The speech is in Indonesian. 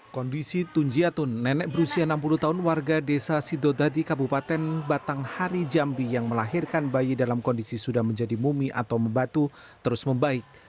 kondisi tunjiatun nenek berusia enam puluh tahun warga desa sidodadi kabupaten batanghari jambi yang melahirkan bayi dalam kondisi sudah menjadi mumi atau membatu terus membaik